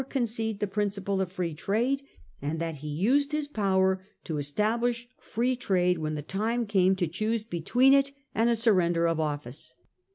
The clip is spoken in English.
353 concede the principle of Free Trade ; and that he ■used his power to establish Free Trade when the time came to choose between it and a surrender of office.